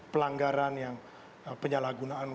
pelanggaran yang penyalahgunaan